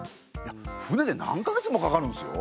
船で何か月もかかるんすよ。